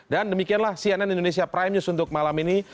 dan demikianlah cnn indonesia prime news untuk malam ini